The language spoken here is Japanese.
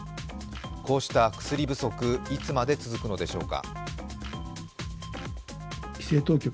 こうした薬不足、いつまで続くのでしょうか。